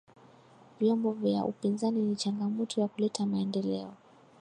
vyombo vya upinzani ni changamoto ya kuleta maendeleo